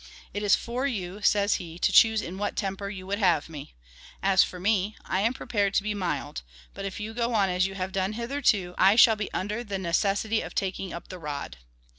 " It is for you," says he, " to choose in what temper you would have me. As for me, I am prepared to be mild, but if you go on as you have done hitherto, I shall be under the neces sity of taking up the rod."